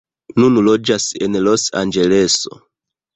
Nun loĝas en Los-Anĝeleso.